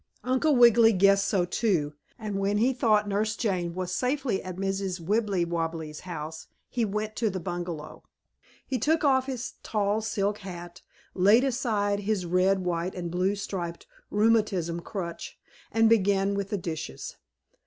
Uncle Wiggily guessed so, too, and when he thought Nurse Jane was safely at Mrs. Wibblewobble's house, he went to the bungalow. He took off his tall silk hat, laid aside his red, white and blue striped rheumatism crutch, and began with the dishes.